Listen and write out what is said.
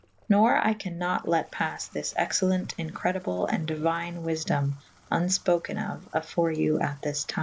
Nor I can nat let paffe his excellent incredible / and diuine wyfdome vnfpoken of / afore you at thys tyme.